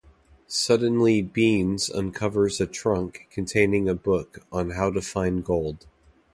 Suddenly Beans uncovers a trunk containing a book on how to find gold.